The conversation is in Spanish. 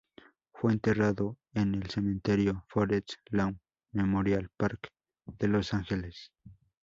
Fue enterrado en el cementerio Forest Lawn Memorial Park de Los Ángeles.